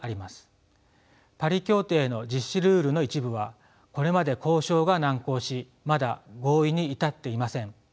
ルールの一部はこれまで交渉が難航しまだ合意に至っていません。